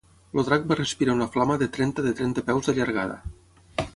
El drac va respirar una flama de trenta de trenta peus de llargada.